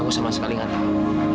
aku sama sekali nggak tahu